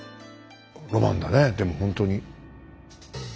ロマンだねえでもほんとに。